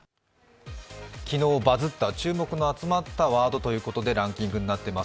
昨日バズった、注目の集まったワードということでランキングになっています。